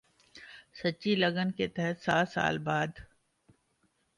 سچی لگن کے تحت سات سال بعد